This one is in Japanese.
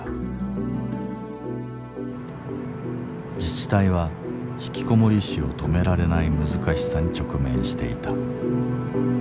自治体はひきこもり死を止められない難しさに直面していた。